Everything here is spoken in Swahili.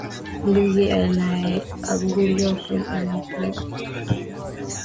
Mbuzi anayeugua upele unaowasha akionekana kupoteza manyoya kuwa na mabaka magumu ngozini